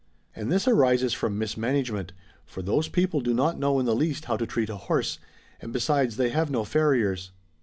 And this arises from mismanagement, for those people do not know in the least how to treat a horse ; and besides they have no farriers.